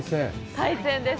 対戦です。